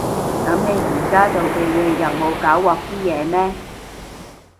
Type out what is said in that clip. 噉你而家做嘅嘢又冇搞禍啲嘢咩？